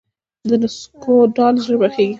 د نسکو دال ژر پخیږي.